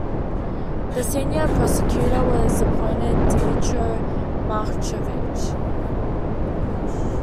The Senior Prosecutor was appointed Dmytro Markovych.